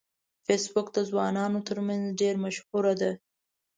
فېسبوک د ځوانانو ترمنځ ډیره مشهوره ده